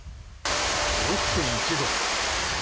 ６．１度。